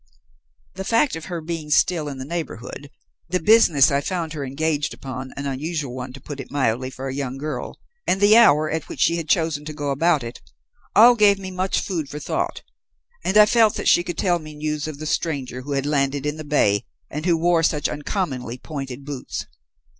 "The fact of her being still in the neighbourhood, the business I found her engaged upon an unusual one, to put it mildly, for a young girl and the hour, at which she had chosen to go about it, all gave me much food for thought, and I felt sure she could tell me news of the stranger who had landed in the bay and who wore such uncommonly pointed boots.